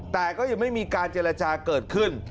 แต่ก็ยังไม่มีการเจรจาเกิดขึ้น